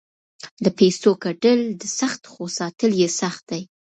د پیسو ګټل سخت خو ساتل یې سخت دي.